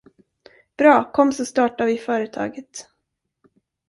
Bra, kom så startar vi företaget.